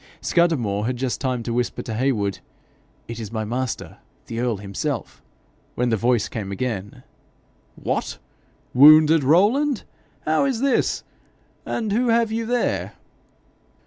Scudamore had just time to whisper to Heywood, 'It is my master, the earl himself,' when the voice came again. 'What! wounded, Rowland? How is this? And who have you there?'